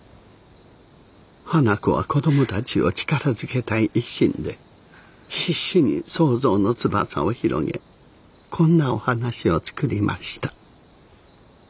花子は子どもたちを力づけたい一心で必死に想像の翼を広げこんなお話を作りました。